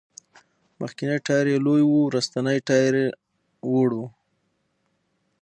مخکېنی ټایر یې لوی و، وروستی ټایر وړه و.